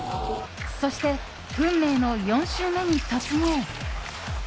そして、運命の４周目に突入。